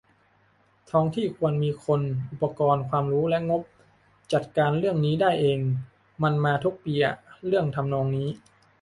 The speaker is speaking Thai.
ท้องถิ่นควรมีคน อุปกรณ์ ความรู้ และงบ จัดการเรื่องนี้ได้เอง มันมาทุกปีอะ เรื่องทำนองนี้